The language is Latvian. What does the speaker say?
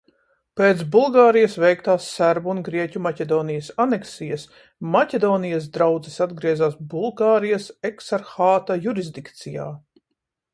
Pēc Bulgārijas veiktās serbu un grieķu Maķedonijas aneksijas, Maķedonijas draudzes atgriezās Bulgārijas eksarhāta jurisdikcijā.